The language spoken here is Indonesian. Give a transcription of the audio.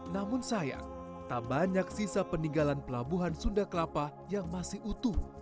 namun sayang tak banyak sisa peninggalan pelabuhan sunda kelapa yang masih utuh